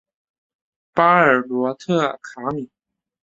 巴尔罗特卡米。